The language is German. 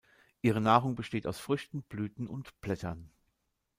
Ihre Nahrung besteht aus Früchten, Blüten und Blättern.